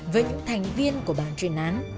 với những thành viên của bản truyền án